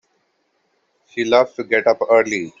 She loves to get up early.